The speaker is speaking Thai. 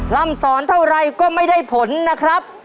ล่ำสอนเท่าไรก็ไม่ได้ผลนะครับ